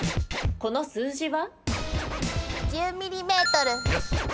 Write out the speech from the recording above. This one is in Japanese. この数字は？